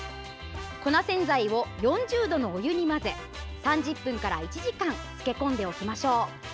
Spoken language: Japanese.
粉洗剤を４０度のお湯に混ぜ３０分から１時間つけ込んでおきましょう。